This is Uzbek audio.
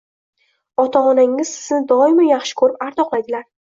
Ota-onangiz sizni doimo yaxshi kurib, ardoqlaydilar.